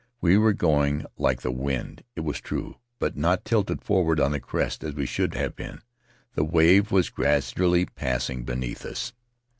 We were going like the wind, it was true, but not tilted forward on the crest as we should have been; the wave was gradually passing beneath us.